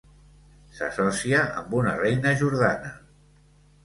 S'associa amb una reina jordana.